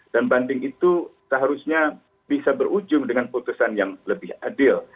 dan banding itu seharusnya bisa berujung dengan putusan yang lebih adil